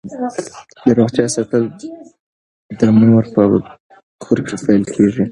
د روغتیا ساتل د مور په کور کې پیل کیږي.